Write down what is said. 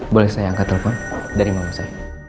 boleh saya angkat telepon dari mama saya